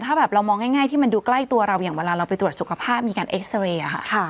ถ้าแบบเรามองง่ายที่มันดูใกล้ตัวเราอย่างเวลาเราไปตรวจสุขภาพมีการเอ็กซาเรย์ค่ะ